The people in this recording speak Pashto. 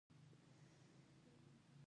ستا د خوښې رنګ څه دی؟